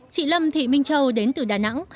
chị lâm thị minh châu đến từ đà nẵng